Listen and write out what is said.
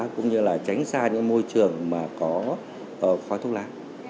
cũng như là tránh xa những môi trường mà có khói thuốc lá